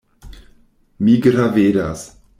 Mi gravedas.